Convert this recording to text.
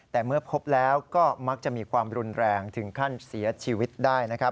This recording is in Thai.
แต่เมื่อพบแล้วก็มักจะมีความรุนแรงถึงขั้นเสียชีวิตได้นะครับ